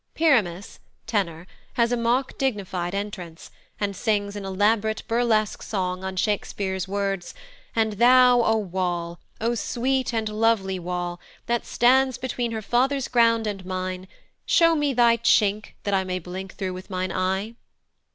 Pyramus (tenor) has a mock dignified entrance, and sings an elaborate burlesque song on Shakespeare's words, "And thou, O wall, O sweet and lovely wall, That stands between her father's ground and mine, Show me thy chink that I may blink through with mine eyne."